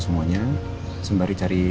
semuanya sembari cari